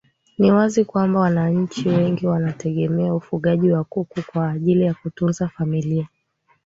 Ni wazi kabisa wananchi wengi wanategemea ufugaji wa kuku kwa ajili ya kutunza familia